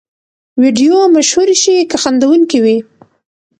ویډیو مشهورې شي که خندوونکې وي.